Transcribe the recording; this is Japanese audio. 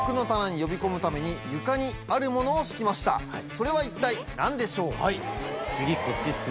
それは一体何でしょう？